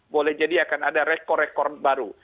boleh jadi akan ada rekor rekor baru